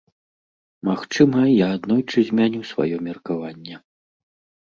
Магчыма, я аднойчы змяню сваё меркаванне.